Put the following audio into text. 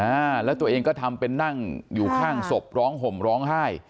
อ่าแล้วตัวเองก็ทำเป็นนั่งอยู่ข้างศพร้องห่มร้องไห้